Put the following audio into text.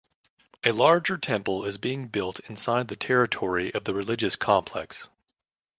A larger temple is being built inside the territory of the religious complex.